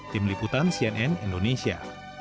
tim liputan cnn indonesia